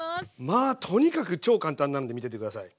まあとにかく超簡単なので見てて下さい。